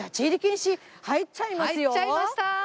入っちゃいました！